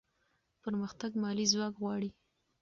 پرمختګ مالي ځواک غواړي.